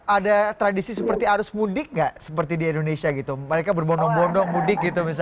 ada tradisi seperti arus mudik nggak seperti di indonesia gitu mereka berbondong bondong mudik gitu misalnya